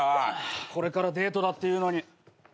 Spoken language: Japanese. これからデートだっていうのに。